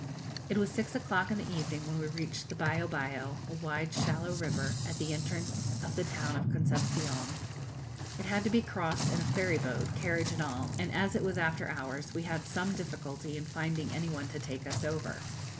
It was six o'clock in the evening when we reached the Bio Bio, a wide shallow river, at the entrance of the town of Concepcion; it had to be crossed in a ferry boat, carriage and all, and as it was after hours, we had some difficulty in finding any one to take us over.